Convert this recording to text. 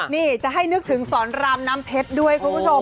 นี่จะให้นึกถึงสอนรามน้ำเพชรด้วยคุณผู้ชม